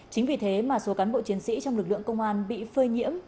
chính vì thế mà số cán bộ chiến sĩ trong lực lượng công an bị phơi nhiễm